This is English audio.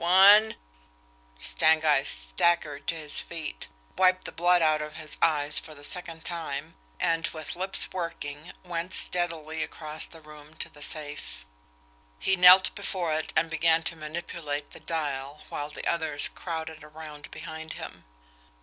One " Stangeist staggered to his feet, wiped the blood out of his eyes for the second time, and, with lips working, went unsteadily across the room to the safe. He knelt before it, and began to manipulate the dial; while the others crowded around behind him.